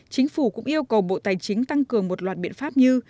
chính phủ cũng yêu cầu bộ tài chính tăng cường một loạt biện pháp như